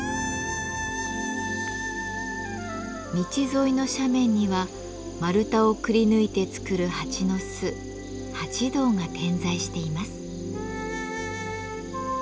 道沿いの斜面には丸太をくりぬいて作る蜂の巣「蜂洞」が点在しています。